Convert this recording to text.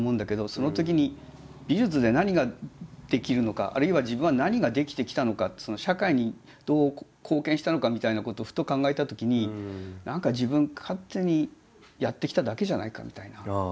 そのときに美術で何ができるのかあるいは自分は何ができてきたのかって社会にどう貢献したのかみたいなことをふと考えたときに何か自分勝手にやってきただけじゃないかみたいな。